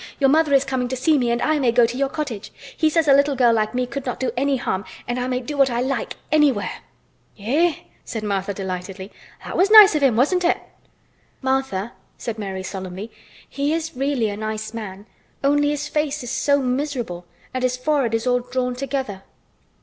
Your mother is coming to see me and I may go to your cottage! He says a little girl like me could not do any harm and I may do what I like—anywhere!" "Eh!" said Martha delightedly, "that was nice of him wasn't it?" "Martha," said Mary solemnly, "he is really a nice man, only his face is so miserable and his forehead is all drawn together."